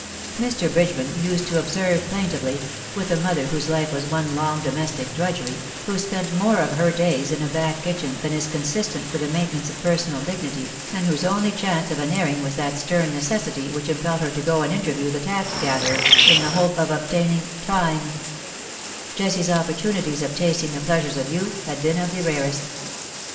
Mr. Bridgeman used to observe plaintively — with a mother whose life was one long domestic drudgery^ who spent more of her days in a back kitchen than is consis tent with the maintenance of personal dignity, and whose only chance of an airing was that stern necessity which impelled her to go and interview the tax gatherer, in the hope of obtaining '' time^'' — Jessie's opportunities of tasting the pleasures of youth had been of the rarest.